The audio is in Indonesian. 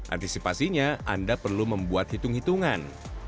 antisipasinya anda perlu membuat hitung hitungan